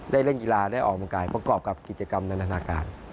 เล่นกีฬาได้ออกกำลังกายประกอบกับกิจกรรมนันทนาการ